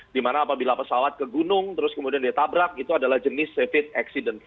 dimana apabila pesawat ke gunung terus kemudian ditabrak itu adalah jenis save it accident